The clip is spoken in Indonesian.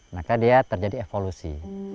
maka dia terjadi evolusi